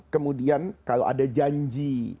kemudian kalau ada janji